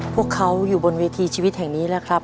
พวกเขาอยู่บนเวทีชีวิตแห่งนี้แหละครับ